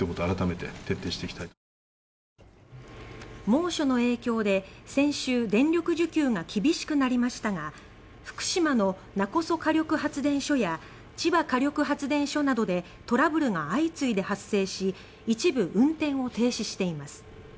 猛暑の影響で先週電力需給が厳しくなりましたが福島の勿来火力発電所や千葉火力発電所などでトラブルが相次いで発生し一部、運転を停止しています。